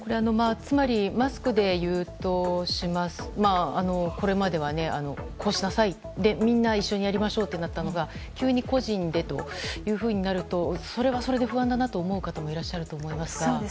つまりマスクでいうとこれまでは、こうしなさいでみんな一緒にやりましょうだったのが急に個人でとなるとそれはそれで不安だなと思う方もいらっしゃると思いますが。